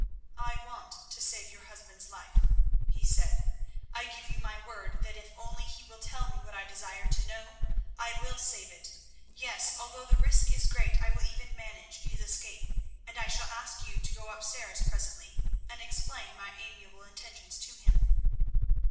"I want to save your husband's life," he said. "I give you my word that if only he will tell me what I desire to know, I will save it; yes, although the risk is great, I will even manage his escape, and I shall ask you to go upstairs presently and explain my amiable intentions to him."